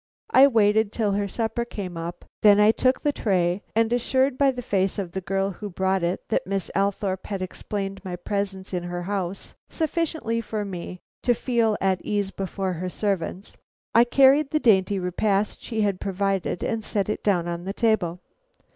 I waited till her supper came up. Then I took the tray, and assured by the face of the girl who brought it that Miss Althorpe had explained my presence in her house sufficiently for me to feel at my ease before her servants, I carried in the dainty repast she had provided and set it down on the table.